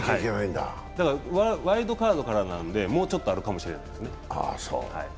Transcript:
ワイルドカードからなので、もうちょっとあるかもしれない。